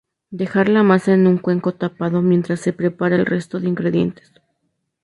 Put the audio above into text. Dejar la masa en un cuenco tapado mientras se prepara el resto de ingredientes.